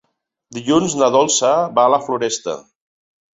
Dilluns na Dolça va a la Floresta.